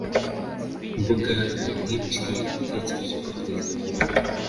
Imbaga nyamwinshi yategereje ko perezida avuga